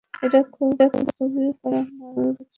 এটা খুবই কড়া মাল, বুঝেছো?